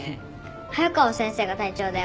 早川先生が隊長だよ。